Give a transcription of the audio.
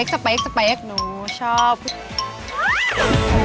ขอต้อนรับน้องเจ้าค่ะ